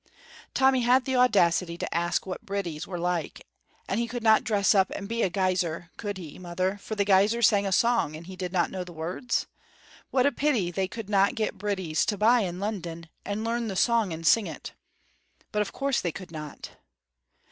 Tommy had the audacity to ask what bridies were like. And he could not dress up and be a guiser, could he, mother, for the guisers sang a song, and he did not know the words? What a pity they could not get bridies to buy in London, and learn the song and sing it. But of course they could not!